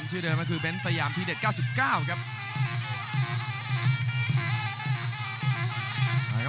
ชื่อเดิมก็คือเบ้นสยามทีเด็ด๙๙ครับ